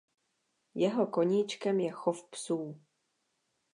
Jeho koníčkem je chov psů.